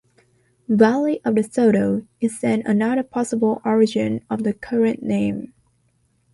"Valley of the Soto" is then another possible origin of the current name.